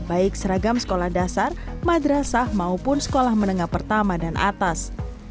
baik seragam sekolah dasar madrasah maupun sekolah menengah pertama dan atas